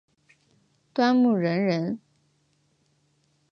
端木仁人。